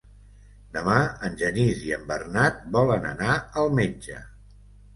Demà en Genís i en Bernat volen anar al metge.